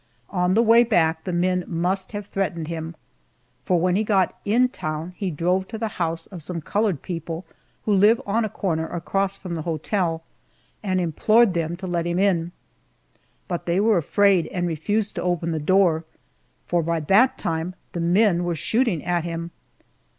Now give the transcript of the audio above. On the way back the men must have threatened him, for when he got in town he drove to the house of some colored people who live on a corner across from the hotel and implored them to let him in, but they were afraid and refused to open the door, for by that time the men were shooting at him.